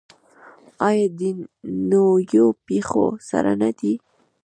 آیا د نویو پیښو سره نه دی؟